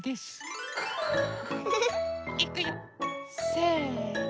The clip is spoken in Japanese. せの。